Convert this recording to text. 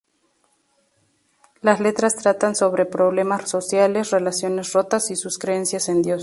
Las letras tratan sobre problemas sociales, relaciones rotas y sus creencias en Dios.